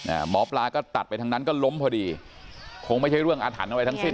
อ่าหมอปลาก็ตัดไปทางนั้นก็ล้มพอดีคงไม่ใช่เรื่องอาถรรพ์อะไรทั้งสิ้น